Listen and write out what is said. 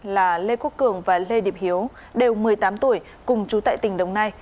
là lê quốc cường và lê điệp hiếu đều một mươi tám tuổi cùng chú tại tỉnh đồng nai